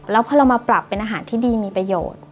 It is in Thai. แล้วพอเรามาปรับเป็นอาหารที่ดีมีประโยชน์